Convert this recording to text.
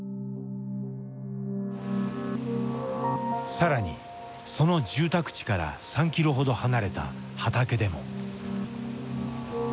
更にその住宅地から３キロほど離れた畑でも。